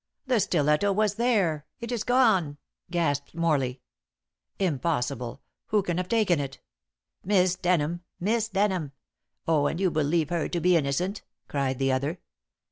"The stiletto was there. It is gone!" gasped Morley. "Impossible. Who can have taken it?" "Miss Denham! Miss Denham! Oh, and you believe her to be innocent!" cried the other.